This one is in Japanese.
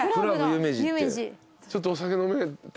ちょっとお酒飲めて。